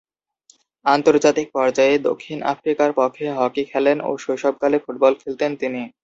আন্তর্জাতিক পর্যায়ে দক্ষিণ আফ্রিকার পক্ষে হকি খেলেন ও শৈশবকালে ফুটবল খেলতেন তিনি।